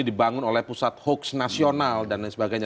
dan juga dengan hoaks nasional dan lain sebagainya